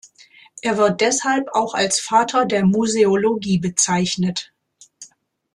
Er wird deshalb auch als „Vater der Museologie“ bezeichnet.